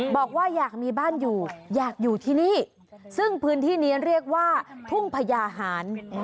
บอกว่าอยากมีบ้านอยู่อยากอยู่ที่นี่ซึ่งพื้นที่นี้เรียกว่าทุ่งพญาหาร